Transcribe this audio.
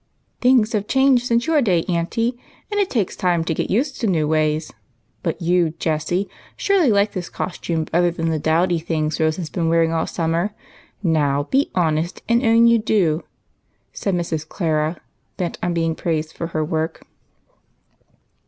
" Things have changed since your day, Aunt, and it takes time to get used to new ways. But you, Jessie, surely like this costume better than the dowdy things Rose has been wearing all summer. Now, be honest, and own you do," said Mrs. Clara, bent on being praised for her work.